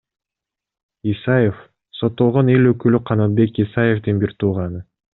Исаев — соттолгон эл өкүлү Канатбек Исаевдин бир тууганы.